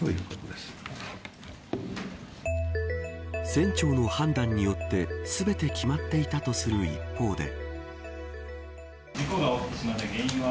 船長の判断によって全て決まっていたとする一方で。